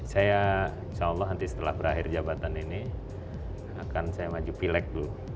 saya insya allah nanti setelah berakhir jabatan ini akan saya maju pilek dulu